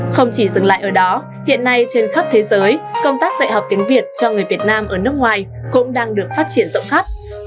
không chỉ dừng lại ở đó hiện nay trên khắp thế giới công tác dạy học tiếng việt cho người việt nam ở nước ngoài cũng đang được phát triển rộng khắp